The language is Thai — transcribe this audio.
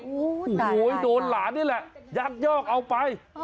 โอ้โหโดนหลานนี่แหละยักยอกเอาไป